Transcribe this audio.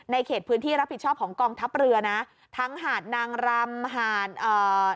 เขตพื้นที่รับผิดชอบของกองทัพเรือนะทั้งหาดนางรำหาดเอ่อ